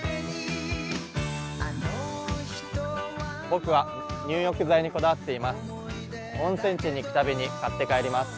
僕は入浴剤にこだわっています。